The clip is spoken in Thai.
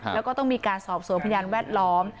แล้วก็ต้องมีการสอบสวนพยานแวดล้อม